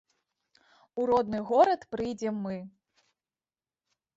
У родны горад прыйдзем мы.